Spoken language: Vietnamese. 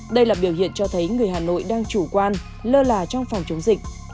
đây là biểu hiện cho thấy người hà nội đang chủ quan lơ là trong phòng chống dịch